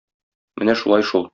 Менә шулай шул.